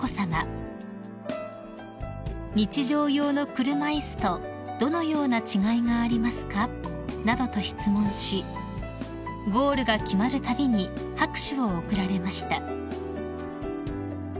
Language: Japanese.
［「日常用の車椅子とどのような違いがありますか？」などと質問しゴールが決まるたびに拍手を送られました］